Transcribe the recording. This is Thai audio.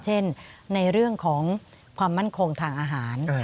ในเรื่องของความมั่นคงทางอาหาร